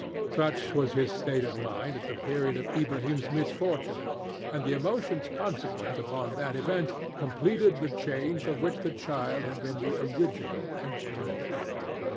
Such was his state of mind at the period of Ilbrahim's misfortune, and the emotions consequent upon that event completed the change of which the child had been the original instrument.